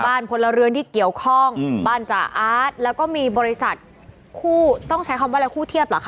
พลเรือนที่เกี่ยวข้องบ้านจ่าอาร์ตแล้วก็มีบริษัทคู่ต้องใช้คำว่าอะไรคู่เทียบเหรอคะ